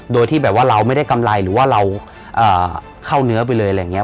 โดยที่แบบว่าเราไม่ได้กำไรหรือว่าเราเข้าเนื้อไปเลยอะไรอย่างนี้